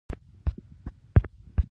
فزیک د ژوند یوه برخه ده.